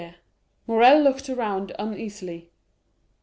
Morrel looked around uneasily.